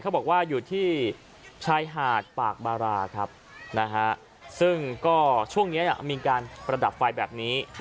บอกว่าอยู่ที่ชายหาดปากบาราครับนะฮะซึ่งก็ช่วงนี้มีการประดับไฟแบบนี้